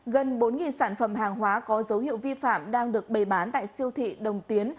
gần bốn sản phẩm hàng hóa có dấu hiệu vi phạm đang được bày bán tại siêu thị đồng tiến